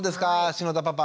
篠田パパ